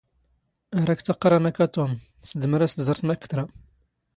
ⴰⵔ ⴰⴽ ⵜⴰⵇⵇⵔⴰ ⵎⴰⴽ ⴰ ⵜⵓⵎ, ⵙⴷⵎⵔ ⴰⵙ ⵜⵥⵕⵜ ⵎⴰⴷ ⴽ ⵜⵔⴰ.